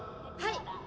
はい。